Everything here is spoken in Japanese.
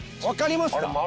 分かりますか。